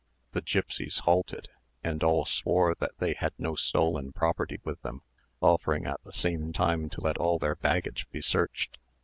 The gipsies halted, and all swore that they had no stolen property with them, offering at the same time to let all their baggage be searched.